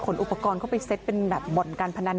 อุปกรณ์เข้าไปเซ็ตเป็นแบบบ่อนการพนัน